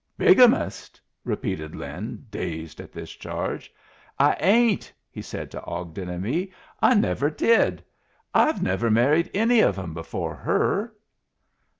"Bigamist?" repeated Lin, dazed at this charge. "I ain't," he said to Ogden and me. "I never did. I've never married any of 'em before her."